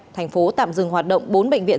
tp hcm tạm dừng hoạt động bốn bệnh viện